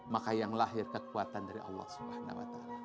maka yang lahir kekuatan dari allah swt